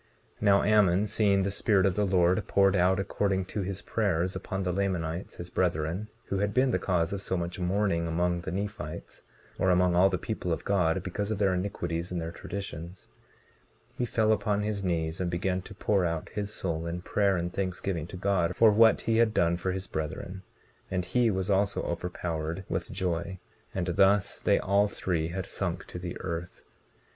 19:14 Now Ammon seeing the Spirit of the Lord poured out according to his prayers upon the Lamanites, his brethren, who had been the cause of so much mourning among the Nephites, or among all the people of God because of their iniquities and their traditions, he fell upon his knees, and began to pour out his soul in prayer and thanksgiving to God for what he had done for his brethren; and he was also overpowered with joy; and thus they all three had sunk to the earth.